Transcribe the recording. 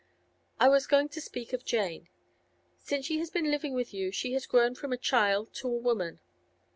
I was going to speak of Jane. Since she has been living with you she has grown from a child to a woman.